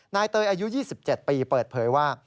เตยอายุ๒๗ปีเปิดเผยว่า